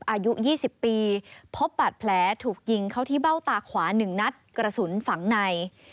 อายุ๒๐ปีพบบาดแผลถูกยิงเข้าที่เบ้าตาขวา๑นัดกระสุนฝังใน